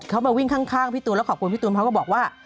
เขามาวิ่งข้างพี่ตูนแล้วขอบคุณพี่ตูนเขาก็บอกว่า